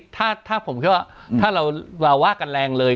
ถ้าหวาดกันแรงเลย